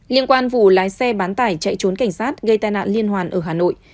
liên quan vụ lái xe bán tải chạy trốn cảnh sát gây tai nạn liên hoàn ở hà nội